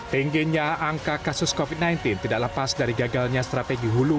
tingginya angka kasus covid sembilan belas tidak lepas dari gagalnya strategi hulu